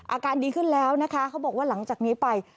อาการดีขึ้นแล้วนะคะเขาบอกว่าหลังจากนี้ไป